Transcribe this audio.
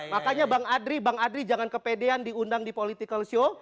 makanya bang adri bang adri jangan kepedean diundang di political show